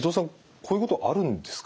こういうことあるんですか？